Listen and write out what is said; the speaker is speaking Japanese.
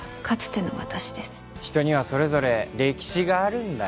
人にはそれぞれ歴史があるんだよ。